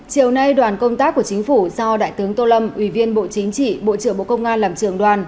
chiều nay đoàn công tác của chính phủ do đại tướng tô lâm ủy viên bộ chính trị bộ trưởng bộ công an làm trường đoàn